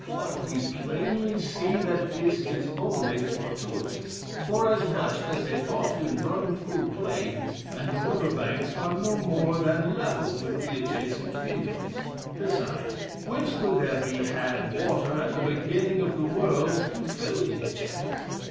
But we plainly see that this is only fortuitous; forasmuch as they often run through plains, and the river banks are no more than level with the adjacent fields; besides, whence could there be had water at the beginning of the world to fill these channels?